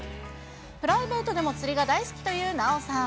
プライベートでも釣りだ大好きという奈緒さん。